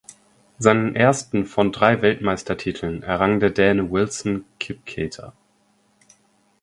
Seinen ersten von drei Weltmeistertiteln errang der Däne Wilson Kipketer.